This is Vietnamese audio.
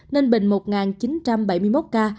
ninh bình một chín trăm bảy mươi một ca